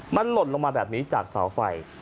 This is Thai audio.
มันหล่นลงมาแบบนี้จากเสาไฟ